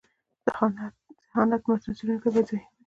ذهانت: متن څړونکی باید ذهین يي.